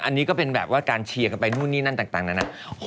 อันนี้ก็เป็นแบบว่าการเชียร์กันไปนู่นนี่นั่นต่างนานา